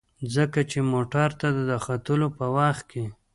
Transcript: ځکه چې موټر ته د ختلو په وخت کې.